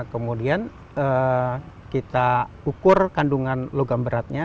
kemudian kita ukur kandungan logam beratnya